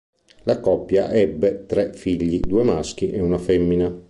La coppia ebbe tre figli: due maschi e una femmina.